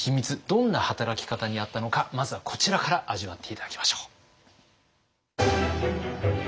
どんな働き方にあったのかまずはこちらから味わって頂きましょう。